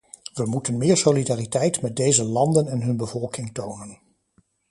We moeten meer solidariteit met deze landen en hun bevolking tonen.